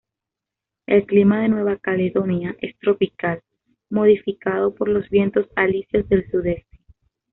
El clima de Nueva Caledonia es tropical, modificado por los vientos alisios del sudeste.